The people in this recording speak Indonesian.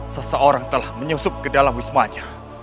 seseorang telah menyusup ke dalam wismanya